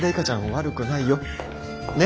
悪くないよ。ね。